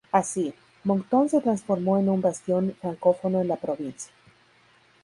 Así, Moncton se transformó en un bastión francófono en la provincia.